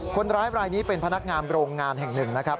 คนร้ายรายนี้เป็นพนักงานโรงงานแห่งหนึ่งนะครับ